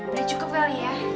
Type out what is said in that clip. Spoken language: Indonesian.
udah cukup ya liya